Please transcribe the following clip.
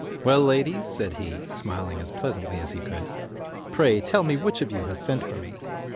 "Well, ladies," said he, smiling as pleasantly as he could, "pray tell me which of you has sent for me."